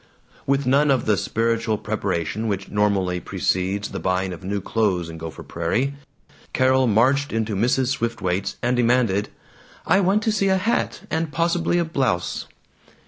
With none of the spiritual preparation which normally precedes the buying of new clothes in Gopher Prairie, Carol marched into Mrs. Swiftwaite's, and demanded, "I want to see a hat, and possibly a blouse."